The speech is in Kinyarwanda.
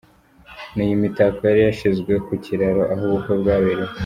ni iyi mitako yari yashyizwe ku kiraro aho ubukwe bwabereye.